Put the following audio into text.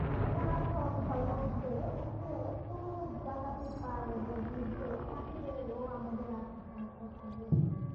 সনাতন ধর্মভাবে একে কোনরূপ জাগাতে পারলে বুঝব, ঠাকুরের ও আমাদের আসা সার্থক হল।